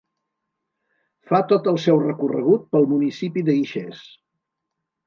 Fa tot el seu recorregut pel municipi de Guixers.